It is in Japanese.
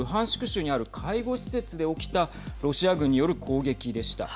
州にある介護施設で起きたロシア軍による攻撃でした。